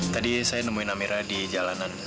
tadi saya nemuin amera di jalanan